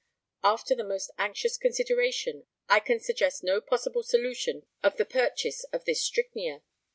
After the most anxious consideration, I can suggest no possible solution of the purchase of this strychnia.